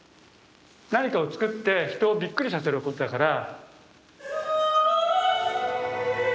何かを創って人をびっくりさせることだから。